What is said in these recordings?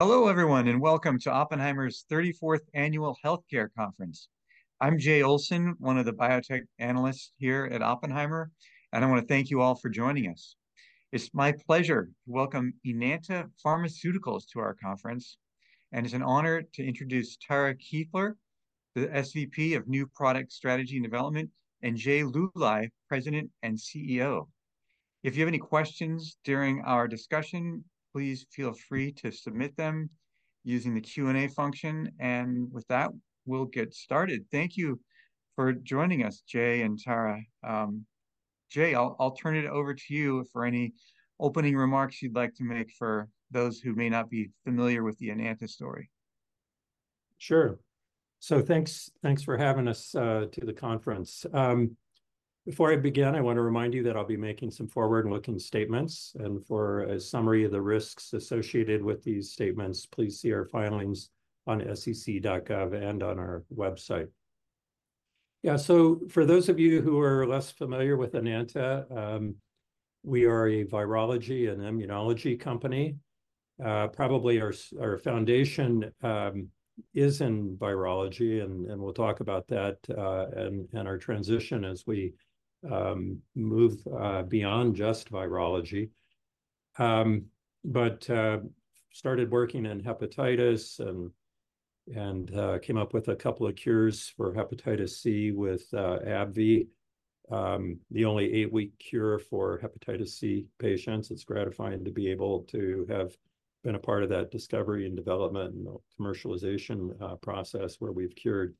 Hello, everyone, and welcome to Oppenheimer's 34th Annual Healthcare Conference. I'm Jay Olson, one of the biotech analysts here at Oppenheimer, and I wanna thank you all for joining us. It's my pleasure to welcome Enanta Pharmaceuticals to our conference, and it's an honor to introduce Tara Kieffer, the SVP of New Product Strategy and Development, and Jay Luly, President and CEO. If you have any questions during our discussion, please feel free to submit them using the Q&A function, and with that, we'll get started. Thank you for joining us, Jay and Tara. Jay, I'll turn it over to you for any opening remarks you'd like to make for those who may not be familiar with the Enanta story. Sure. So thanks, thanks for having us to the conference. Before I begin, I wanna remind you that I'll be making some forward-looking statements, and for a summary of the risks associated with these statements, please see our filings on sec.gov and on our website. Yeah, so for those of you who are less familiar with Enanta, we are a virology and immunology company. Probably our foundation is in virology, and we'll talk about that, and our transition as we move beyond just virology. But started working in hepatitis and came up with a couple of cures for hepatitis C with AbbVie, the only 8-week cure for hepatitis C patients. It's gratifying to be able to have been a part of that discovery and development, and commercialization, process, where we've cured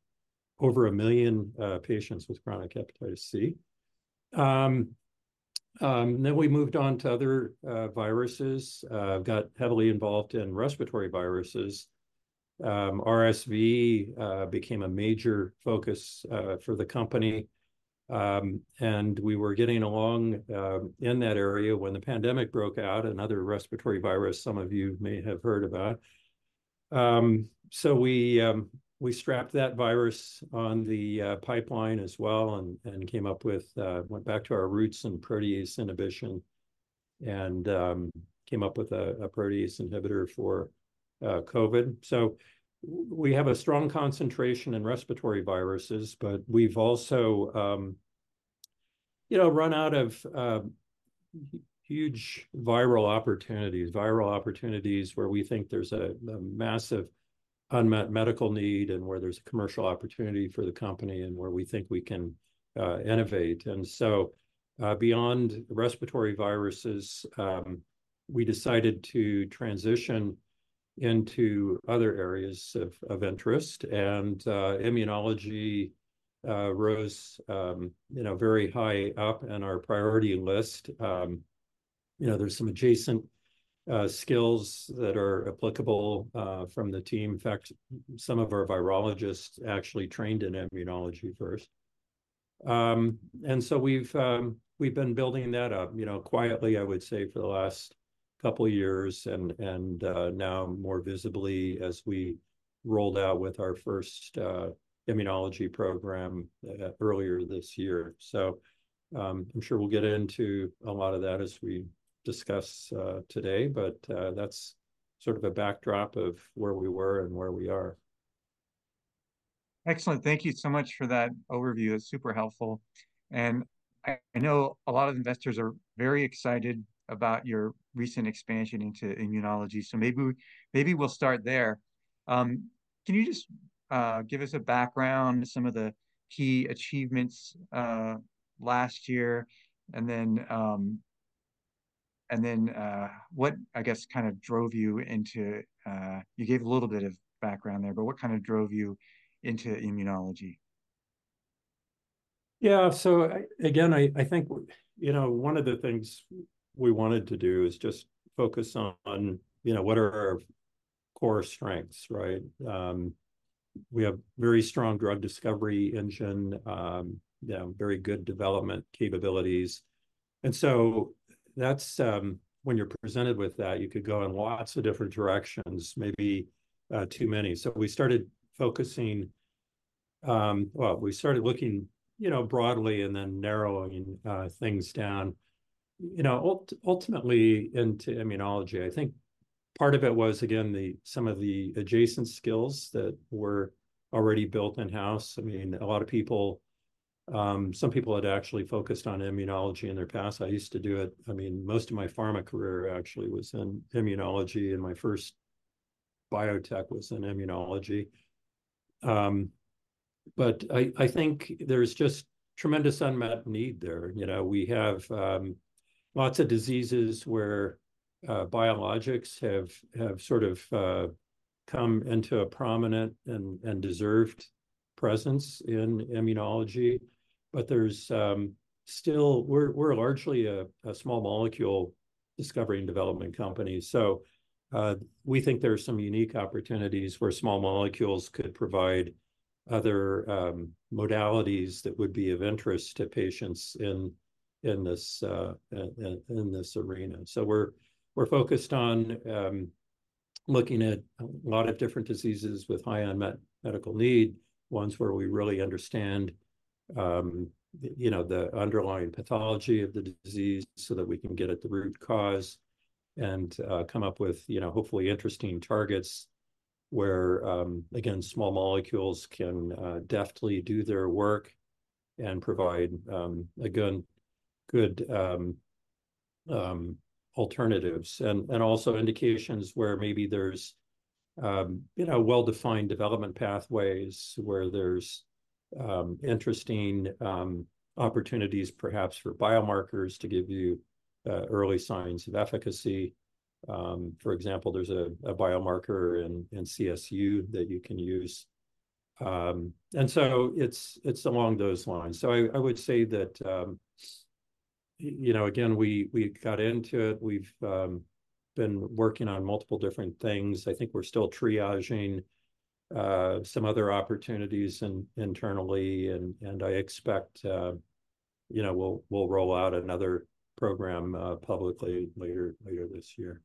over 1 million patients with chronic hepatitis C. Then we moved on to other viruses, got heavily involved in respiratory viruses. RSV became a major focus for the company, and we were getting along in that area when the pandemic broke out, another respiratory virus some of you may have heard about. So we strapped that virus on the pipeline as well, and went back to our roots in protease inhibition, and came up with a protease inhibitor for COVID. So we have a strong concentration in respiratory viruses, but we've also, you know, run out of huge viral opportunities, viral opportunities where we think there's a massive unmet medical need, and where there's a commercial opportunity for the company, and where we think we can innovate. And so, beyond respiratory viruses, we decided to transition into other areas of interest, and immunology rose very high up on our priority list. You know, there's some adjacent skills that are applicable from the team. In fact, some of our virologists actually trained in immunology first. And so we've been building that up, you know, quietly, I would say, for the last couple of years, and now more visibly as we rolled out with our first immunology program earlier this year. So, I'm sure we'll get into a lot of that as we discuss today, but that's sort of the backdrop of where we were and where we are. Excellent. Thank you so much for that overview. It's super helpful, and I know a lot of investors are very excited about your recent expansion into immunology, so maybe we'll start there. Can you just give us a background to some of the key achievements last year, and then what, I guess, kind of drove you into immunology? You gave a little bit of background there, but what kind of drove you into immunology? Yeah. So again, I think, you know, one of the things we wanted to do is just focus on, you know, what are our core strengths, right? We have very strong drug discovery engine, you know, very good development capabilities. And so that's when you're presented with that, you could go in lots of different directions, maybe too many. So we started focusing. Well, we started looking, you know, broadly and then narrowing things down, you know, ultimately into immunology. I think part of it was, again, the some of the adjacent skills that were already built in-house. I mean, a lot of people, some people had actually focused on immunology in their past. I used to do it. I mean, most of my pharma career actually was in immunology, and my first biotech was in immunology. But I think there's just tremendous unmet need there. You know, we have lots of diseases where biologics have sort of come into a prominent and deserved presence in immunology, but there's still, we're largely a small molecule discovery and development company. So we think there are some unique opportunities where small molecules could provide other modalities that would be of interest to patients in this arena. So we're focused on looking at a lot of different diseases with high unmet medical need, ones where we really understand. You know, the underlying pathology of the disease so that we can get at the root cause, and come up with, you know, hopefully interesting targets where, again, small molecules can deftly do their work and provide, again, good alternatives. And also indications where maybe there's, you know, well-defined development pathways, where there's interesting opportunities perhaps for biomarkers to give you early signs of efficacy. For example, there's a biomarker in CSU that you can use. And so it's along those lines. So I would say that, you know, again, we got into it, we've been working on multiple different things. I think we're still triaging some other opportunities internally, and I expect, you know, we'll roll out another program publicly later this year.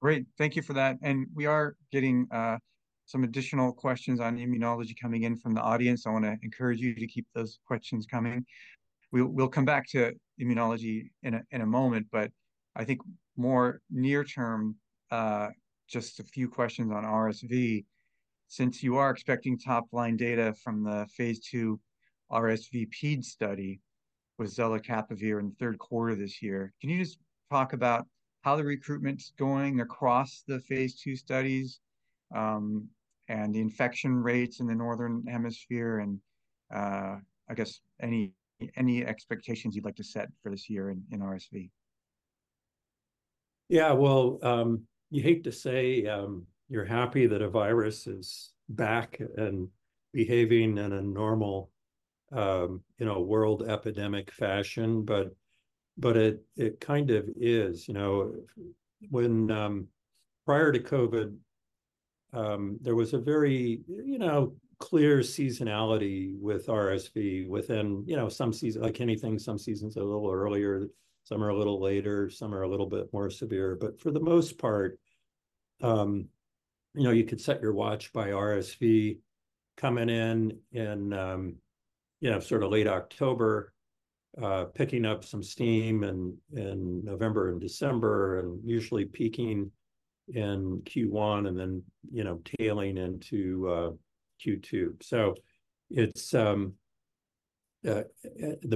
Great, thank you for that. And we are getting, some additional questions on immunology coming in from the audience. I wanna encourage you to keep those questions coming. We'll come back to immunology in a, in a moment, but I think more near term, just a few questions on RSV. Since you are expecting top-line data from the phase 2 RSV ped study with zelicapavir in the third quarter this year, can you just talk about how the recruitment's going across the phase 2 studies, and the infection rates in the Northern Hemisphere, and, I guess any expectations you'd like to set for this year in RSV? Yeah, well, you hate to say you're happy that a virus is back and behaving in a normal, you know, world epidemic fashion, but, but it, it kind of is. You know, when prior to COVID, there was a very, you know, clear seasonality with RSV within, you know, some season- like anything, some seasons are a little earlier, some are a little later, some are a little bit more severe. But for the most part, you know, you could set your watch by RSV coming in in, you know, sort of late October, picking up some steam in November and December, and usually peaking in Q1, and then, you know, tailing into Q2. So it's the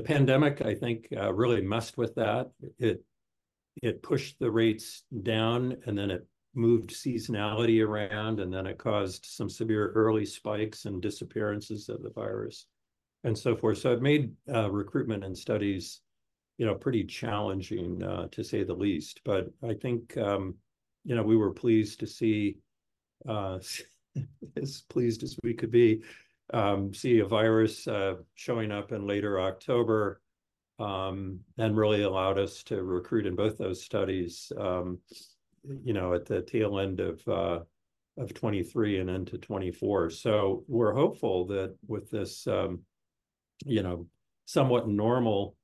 pandemic, I think, really messed with that. It pushed the rates down, and then it moved seasonality around, and then it caused some severe early spikes and disappearances of the virus, and so forth. So it made recruitment and studies, you know, pretty challenging, to say the least. But I think, you know, we were pleased to see, as pleased as we could be, see a virus showing up in late October, and really allowed us to recruit in both those studies, you know, at the tail end of 2023 and into 2024. So we're hopeful that with this, you know, somewhat normal,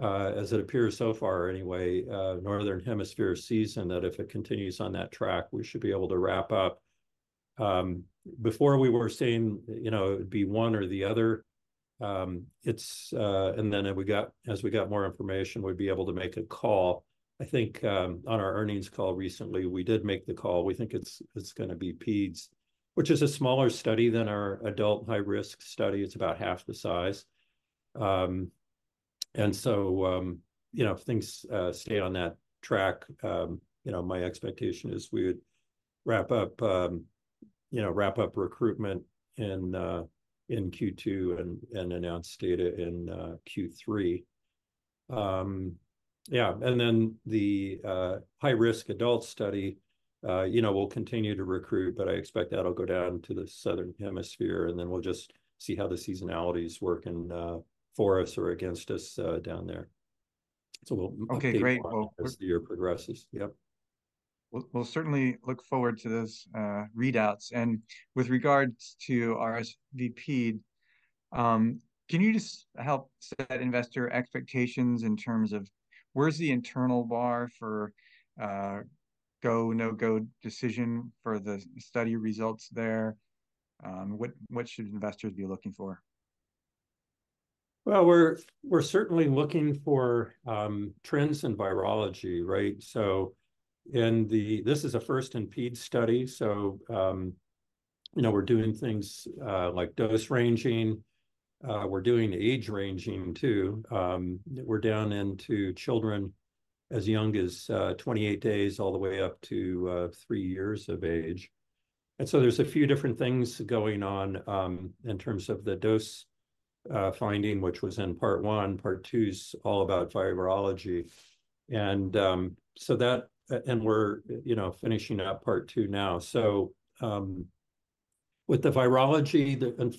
as it appears so far anyway, Northern Hemisphere season, that if it continues on that track, we should be able to wrap up. Before we were saying, you know, it'd be one or the other, it's. And then as we got more information, we'd be able to make a call. I think, on our earnings call recently, we did make the call. We think it's gonna be peds, which is a smaller study than our adult high-risk study. It's about half the size. And so, you know, if things stay on that track, you know, my expectation is we would wrap up recruitment in Q2 and announce data in Q3. Yeah, and then the high-risk adult study, you know, we'll continue to recruit, but I expect that'll go down to the Southern Hemisphere, and then we'll just see how the seasonality is working for us or against us down there. So we'll- Okay, great as the year progresses. Yep. We'll certainly look forward to those readouts. And with regards to RSV ped, can you just help set investor expectations in terms of where's the internal bar for go, no-go decision for the study results there? What should investors be looking for? Well, we're certainly looking for trends in virology, right? So this is a first in peds study, so you know, we're doing things like dose ranging. We're doing age ranging too. We're down into children as young as 28 days, all the way up to three years of age. And so there's a few different things going on in terms of the dose finding, which was in Part 1. Part 2 is all about virology. And we're you know, finishing up Part 2 now. So with the virology,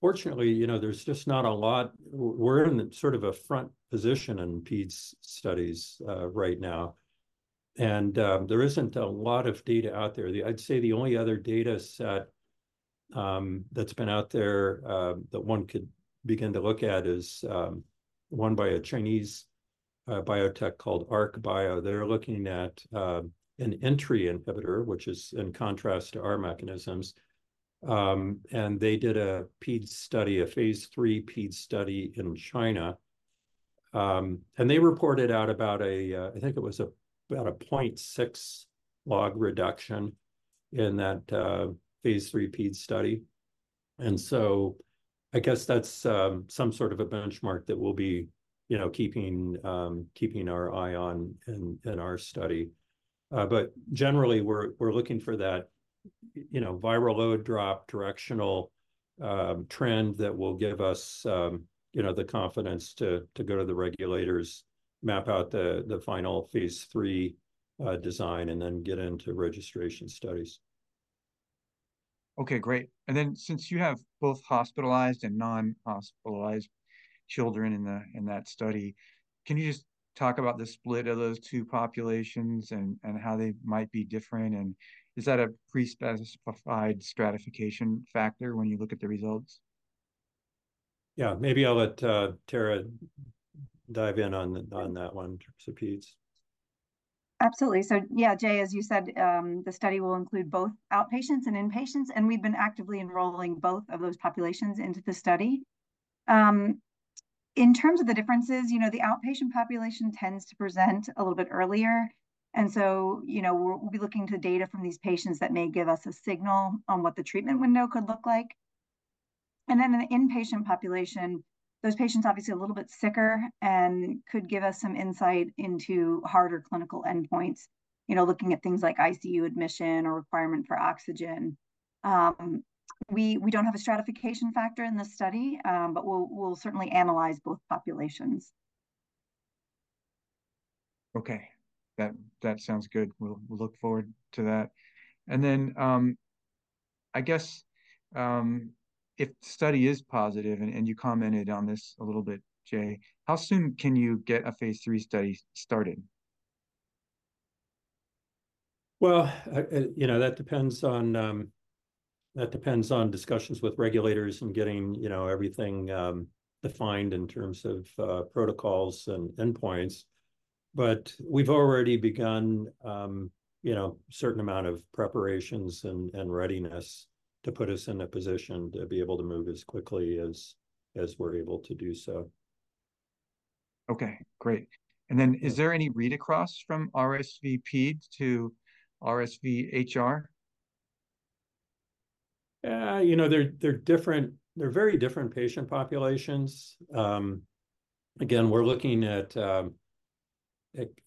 unfortunately, you know, there's just not a lot. We're in sort of a front position in peds studies right now, and there isn't a lot of data out there. I'd say the only other data set that's been out there that one could begin to look at is one by a Chinese biotech called ArkBio. They're looking at an entry inhibitor, which is in contrast to our mechanisms. And they did a ped study, a phase 3 ped study in China. And they reported out about a, I think it was a, about a 0.6 log reduction in that phase 3 ped study. And so I guess that's some sort of a benchmark that we'll be, you know, keeping our eye on in our study. But generally, we're looking for that, you know, viral load drop, directional trend that will give us, you know, the confidence to go to the regulators, map out the final phase three design, and then get into registration studies. Okay, great. And then since you have both hospitalized and non-hospitalized children in the, in that study, can you just talk about the split of those two populations and, and how they might be different? And is that a pre-specified stratification factor when you look at the results? Yeah. Maybe I'll let Tara dive in on the, on that one in terms of peds. Absolutely. So yeah, Jay, as you said, the study will include both outpatients and inpatients, and we've been actively enrolling both of those populations into the study. In terms of the differences, you know, the outpatient population tends to present a little bit earlier, and so, you know, we'll be looking to the data from these patients that may give us a signal on what the treatment window could look like. And then in the inpatient population, those patients obviously are a little bit sicker and could give us some insight into harder clinical endpoints, you know, looking at things like ICU admission or requirement for oxygen. We don't have a stratification factor in this study, but we'll certainly analyze both populations. Okay. That sounds good. We'll look forward to that. And then, I guess, if the study is positive, and you commented on this a little bit, Jay, how soon can you get a phase 3 study started? Well, you know, that depends on, That depends on discussions with regulators and getting, you know, everything defined in terms of protocols and endpoints. But we've already begun, you know, a certain amount of preparations and readiness to put us in a position to be able to move as quickly as we're able to do so. Okay, great. And then, is there any read-across from RSV ped to RSV HR? You know, they're very different patient populations. Again, we're looking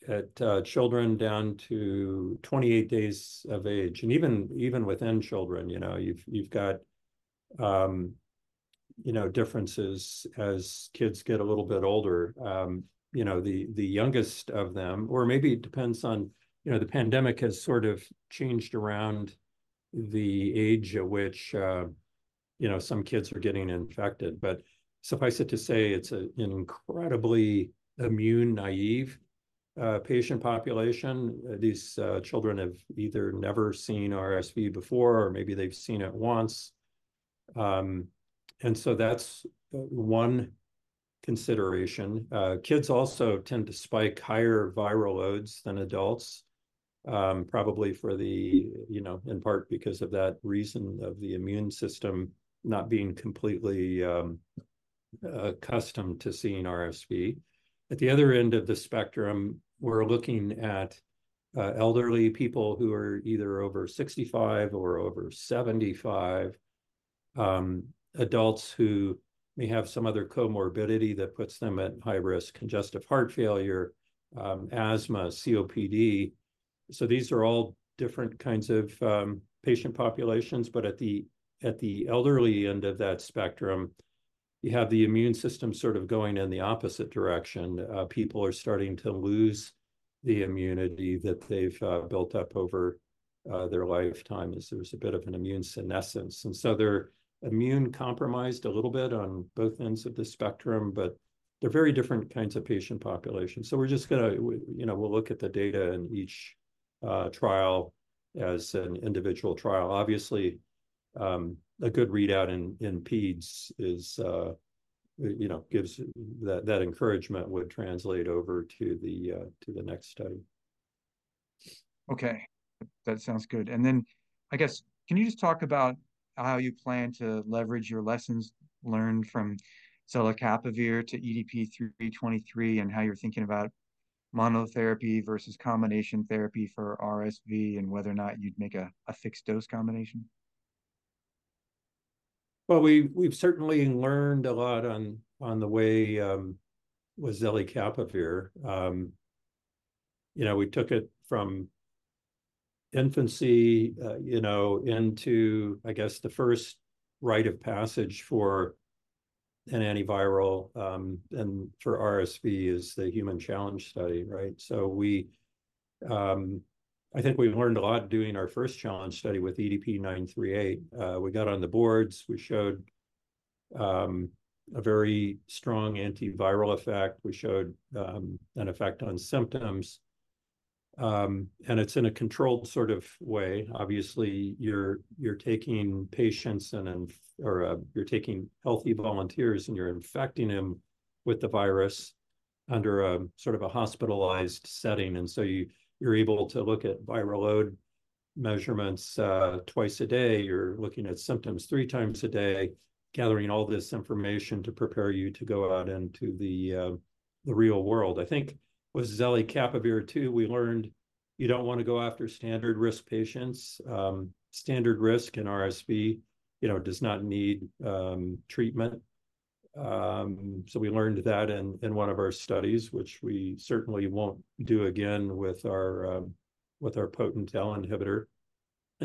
at children down to 28 days of age. And even within children, you know, you've got differences as kids get a little bit older. You know, the youngest of them, or maybe it depends on, you know, the pandemic has sort of changed around the age at which you know, some kids are getting infected. But suffice it to say, it's an incredibly immune-naive patient population. These children have either never seen RSV before, or maybe they've seen it once. And so that's one consideration. Kids also tend to spike higher viral loads than adults, probably for the, you know, in part because of that reason of the immune system not being completely, accustomed to seeing RSV. At the other end of the spectrum, we're looking at, elderly people who are either over 65 or over 75, adults who may have some other comorbidity that puts them at high risk: congestive heart failure, asthma, COPD. So these are all different kinds of, patient populations, but at the, at the elderly end of that spectrum, you have the immune system sort of going in the opposite direction. People are starting to lose the immunity that they've, built up over, their lifetime. There's a bit of an immune senescence, and so they're immune-compromised a little bit on both ends of the spectrum, but they're very different kinds of patient populations. So we're just gonna, you know, we'll look at the data in each trial as an individual trial. Obviously, a good readout in peds is, you know, gives. That encouragement would translate over to the next study. Okay, that sounds good. And then, I guess, can you just talk about how you plan to leverage your lessons learned from zelicapavir to EDP-323, and how you're thinking about monotherapy versus combination therapy for RSV, and whether or not you'd make a, a fixed-dose combination? Well, we've certainly learned a lot on the way with zelicapavir. You know, we took it from infancy, you know, into, I guess, the first rite of passage for an antiviral, and for RSV is the human challenge study, right? So, I think we learned a lot doing our first challenge study with EDP-938. We got on the boards. We showed a very strong antiviral effect. We showed an effect on symptoms. And it's in a controlled sort of way. Obviously, you're taking healthy volunteers, and you're infecting them with the virus under a sort of a hospitalized setting. And so you're able to look at viral load measurements twice a day. You're looking at symptoms three times a day, gathering all this information to prepare you to go out into the real world. I think with zelicapavir too, we learned you don't want to go after standard risk patients. Standard risk in RSV, you know, does not need treatment. So we learned that in one of our studies, which we certainly won't do again with our potent L inhibitor.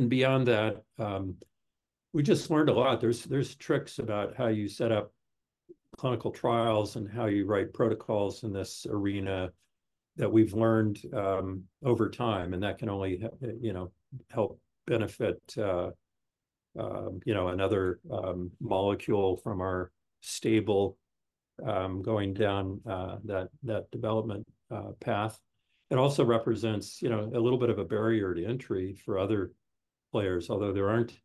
Beyond that, we just learned a lot. There's tricks about how you set up clinical trials and how you write protocols in this arena that we've learned over time, and that can only you know, help benefit you know, another molecule from our stable going down that development path. It also represents, you know, a little bit of a barrier to entry for other players, although there aren't.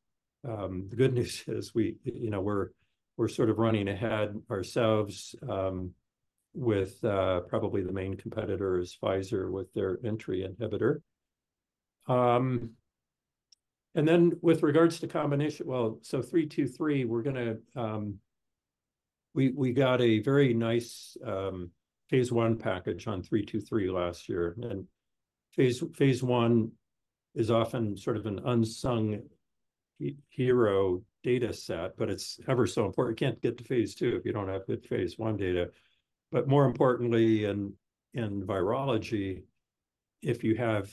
The good news is we, you know, we're sort of running ahead ourselves, with probably the main competitor is Pfizer with their entry inhibitor. And then with regards to combination—well, so 323, we're gonna. We got a very nice phase 1 package on 323 last year. And phase 1 is often sort of an unsung hero data set, but it's ever so important. You can't get to phase 2 if you don't have good phase 1 data. But more importantly, in virology, if you have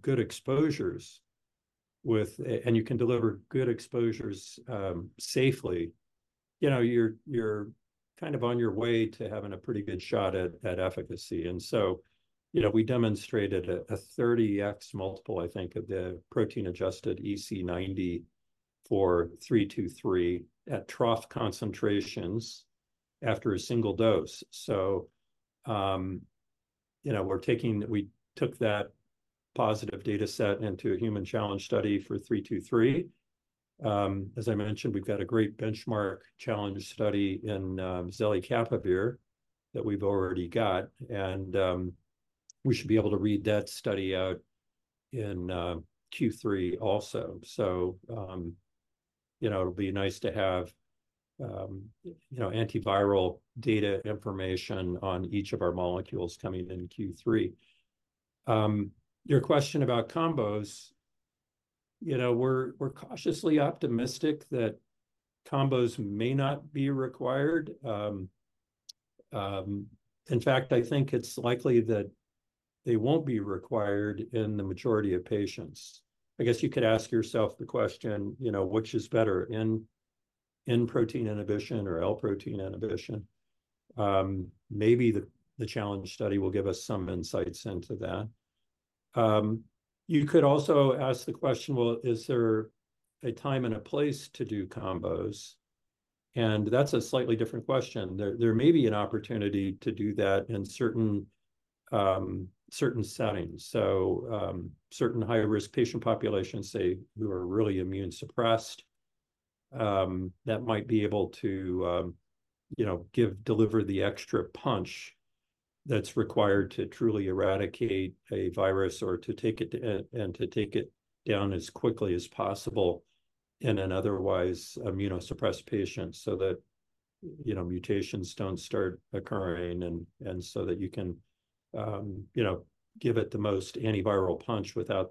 good exposures and you can deliver good exposures safely, you know, you're kind of on your way to having a pretty good shot at efficacy. So, you know, we demonstrated a 30x multiple, I think, of the protein-adjusted EC90 for 323 at trough concentrations after a single dose. So, you know, we took that positive data set into a human challenge study for 323. As I mentioned, we've got a great benchmark challenge study in zelicapavir that we've already got, and we should be able to read that study out in Q3 also. So, you know, it'll be nice to have, you know, antiviral data information on each of our molecules coming in Q3. Your question about combos, you know, we're cautiously optimistic that combos may not be required. In fact, I think it's likely that they won't be required in the majority of patients. I guess you could ask yourself the question, you know, which is better, N-protein inhibition or L-protein inhibition? Maybe the challenge study will give us some insights into that. You could also ask the question, well, is there a time and a place to do combos? And that's a slightly different question. There may be an opportunity to do that in certain settings. So, certain high-risk patient populations, say, who are really immunosuppressed, that might be able to, you know, deliver the extra punch that's required to truly eradicate a virus or to take it down as quickly as possible in an otherwise immunosuppressed patient, so that, you know, mutations don't start occurring, and so that you can, you know, give it the most antiviral punch without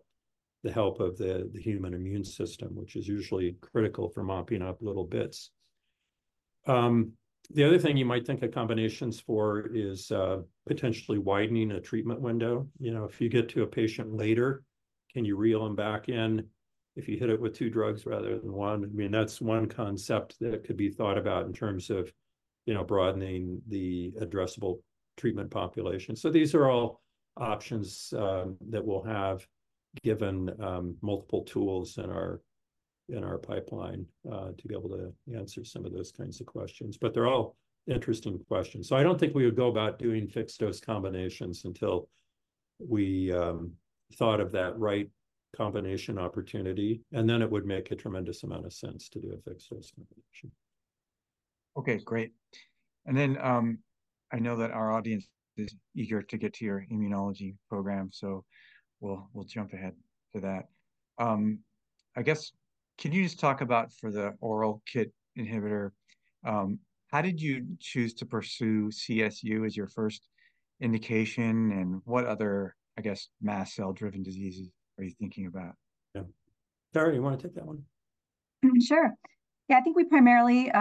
the help of the human immune system, which is usually critical for mopping up little bits. The other thing you might think of combinations for is potentially widening a treatment window. You know, if you get to a patient later, can you reel them back in if you hit it with two drugs rather than one? I mean, that's one concept that could be thought about in terms of, you know, broadening the addressable treatment population. These are all options that we'll have, given multiple tools in our pipeline to be able to answer some of those kinds of questions, but they're all interesting questions. I don't think we would go about doing fixed-dose combinations until we thought of that right combination opportunity, and then it would make a tremendous amount of sense to do a fixed-dose combination. Okay, great. And then, I know that our audience is eager to get to your immunology program, so we'll jump ahead to that. I guess, can you just talk about for the oral KIT inhibitor, how did you choose to pursue CSU as your first indication, and what other, I guess, mast cell-driven diseases are you thinking about? Yeah. Tara, you want to take that one? Sure. Yeah, I think we primarily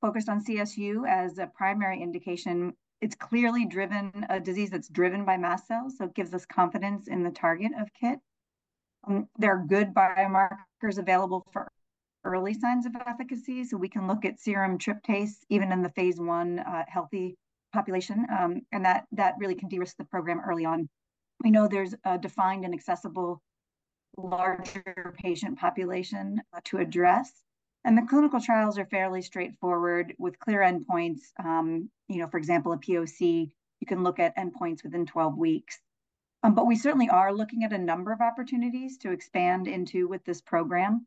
focused on CSU as a primary indication. It's clearly driven, a disease that's driven by mast cells, so it gives us confidence in the target of KIT. There are good biomarkers available for early signs of efficacy, so we can look at serum tryptase, even in the phase 1 healthy population. And that really can de-risk the program early on. We know there's a defined and accessible larger patient population to address, and the clinical trials are fairly straightforward with clear endpoints. You know, for example, a POC, you can look at endpoints within 12 weeks. But we certainly are looking at a number of opportunities to expand into with this program.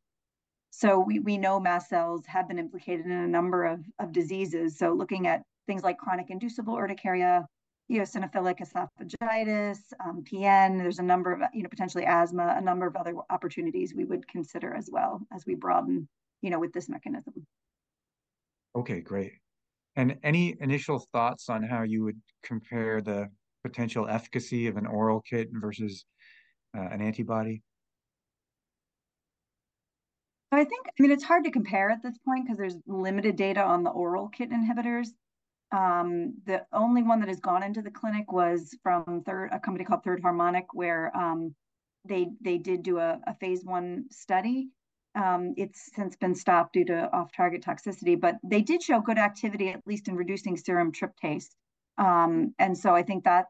So we know mast cells have been implicated in a number of diseases, so looking at things like chronic inducible urticaria, eosinophilic esophagitis, PN, there's a number of, you know, potentially asthma, a number of other opportunities we would consider as well, as we broaden, you know, with this mechanism. Okay, great. And any initial thoughts on how you would compare the potential efficacy of an oral KIT versus an antibody? I think, I mean, it's hard to compare at this point 'cause there's limited data on the oral KIT inhibitors. The only one that has gone into the clinic was from Third, a company called Third Harmonic, where they did do a phase I study. It's since been stopped due to off-target toxicity, but they did show good activity, at least in reducing serum tryptase. And so I think that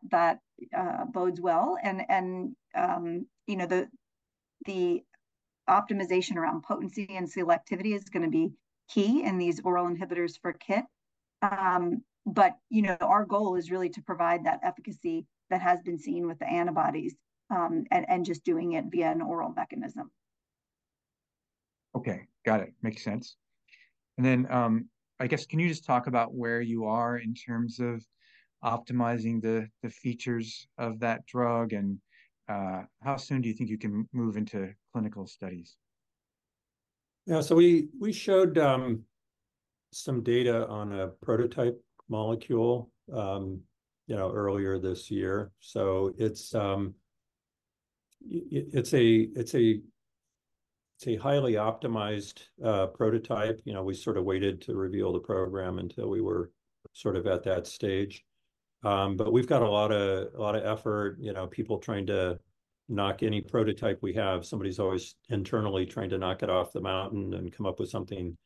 bodes well, and you know, the optimization around potency and selectivity is gonna be key in these oral inhibitors for KIT. But, you know, our goal is really to provide that efficacy that has been seen with the antibodies, and just doing it via an oral mechanism. Okay. Got it. Makes sense. And then, I guess, can you just talk about where you are in terms of optimizing the features of that drug, and how soon do you think you can move into clinical studies? Yeah, so we showed some data on a prototype molecule, you know, earlier this year. So it's a highly optimized prototype. You know, we sort of waited to reveal the program until we were sort of at that stage. But we've got a lot of effort, you know, people trying to knock any prototype we have. Somebody's always internally trying to knock it off the mountain and come up with something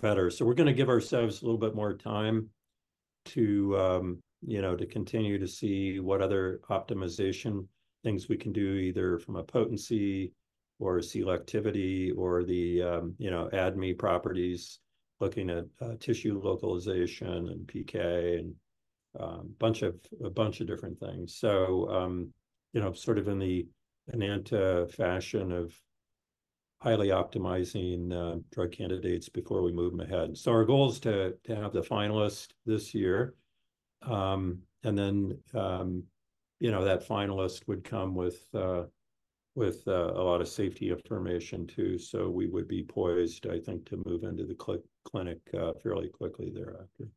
better. So we're gonna give ourselves a little bit more time to, you know, to continue to see what other optimization things we can do, either from a potency or a selectivity or the, you know, ADME properties, looking at tissue localization and PK, and a bunch of different things. So, you know, sort of in the Enanta fashion of highly optimizing drug candidates before we move them ahead. So our goal is to have the finalist this year. And then, you know, that finalist would come with a lot of safety information, too. So we would be poised, I think, to move into the clinic fairly quickly thereafter.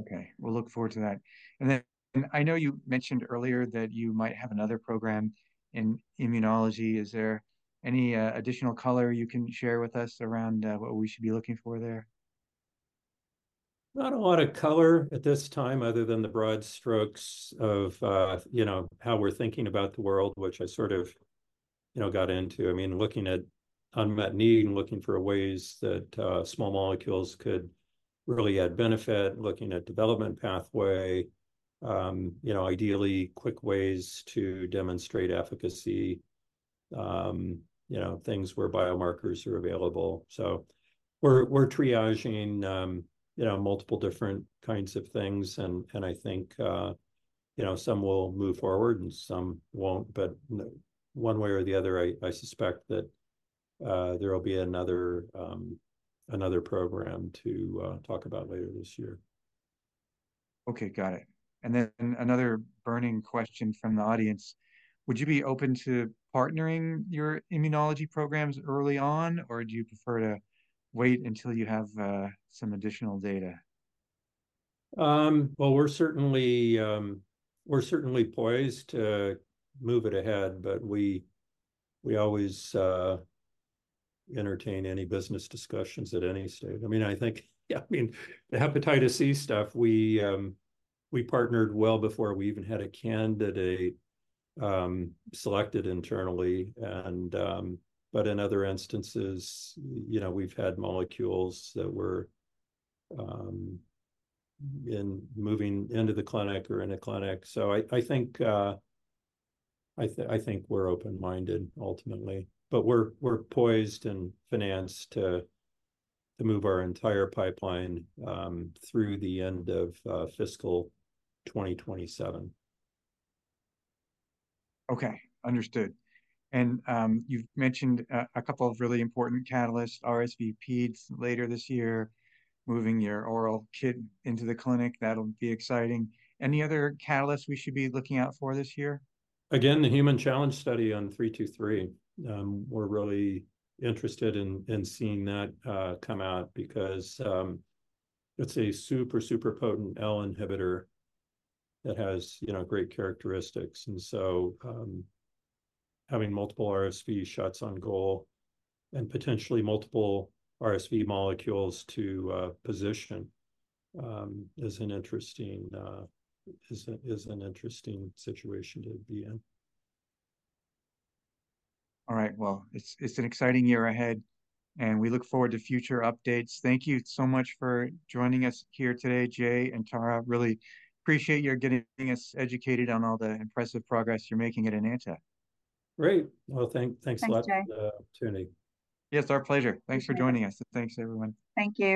Okay, we'll look forward to that. And then I know you mentioned earlier that you might have another program in immunology. Is there any additional color you can share with us around what we should be looking for there? Not a lot of color at this time, other than the broad strokes of, you know, how we're thinking about the world, which I sort of, you know, got into. I mean, looking at unmet need and looking for ways that small molecules could really add benefit, looking at development pathway, you know, ideally, quick ways to demonstrate efficacy, you know, things where biomarkers are available. So we're, we're triaging, you know, multiple different kinds of things, and, and I think, you know, some will move forward and some won't. But one way or the other, I, I suspect that there will be another, another program to talk about later this year. Okay, got it. And then another burning question from the audience: Would you be open to partnering your immunology programs early on, or do you prefer to wait until you have some additional data? Well, we're certainly, we're certainly poised to move it ahead, but we, we always, entertain any business discussions at any stage. I mean, I think-- yeah, I mean, the hepatitis C stuff, we, we partnered well before we even had a candidate, selected internally, But in other instances, you know, we've had molecules that were, in moving into the clinic or in a clinic. So I, I think, I think we're open-minded ultimately, but we're, we're poised and financed to, to move our entire pipeline, through the end of, fiscal 2027. Okay, understood. And, you've mentioned a couple of really important catalysts, RSV Ped later this year, moving your oral KIT into the clinic. That'll be exciting. Any other catalysts we should be looking out for this year? Again, the human challenge study on 323. We're really interested in seeing that come out because it's a super, super potent L inhibitor that has, you know, great characteristics. And so, having multiple RSV shots on goal and potentially multiple RSV molecules to position is an interesting situation to be in. All right. Well, it's an exciting year ahead, and we look forward to future updates. Thank you so much for joining us here today, Jay and Tara. Really appreciate your getting us educated on all the impressive progress you're making at Enanta. Great! Well, thanks a lot- Thanks, Jay... for the opportunity. Yes, our pleasure. Thanks for joining us, and thanks everyone. Thank you.